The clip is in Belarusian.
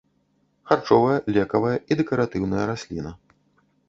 Харчовая, лекавая і дэкаратыўная расліна.